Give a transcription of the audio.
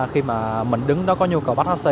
khi mà mình đứng đó có nhu cầu bắt hc